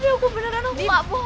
tapi aku beneran aku gak bohong